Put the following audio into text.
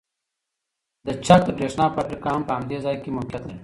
د چک د بریښنا فابریکه هم په همدې ځای کې موقیعت لري